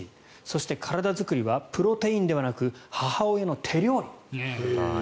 そして、体作りはプロテインではなく母親の手料理。